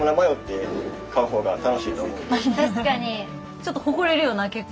ちょっと誇れるよな結構。